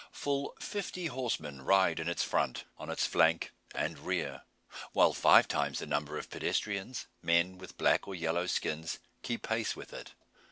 Full fifty horsemen ride in its front, on its flank, and rear; while five times the number of pedestrians, men with black or yellow skins, keep pace with it.